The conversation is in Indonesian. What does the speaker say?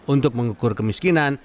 untuk mengukur kemiskinan